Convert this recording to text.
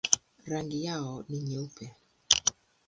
Rangi yao ni nyeupe.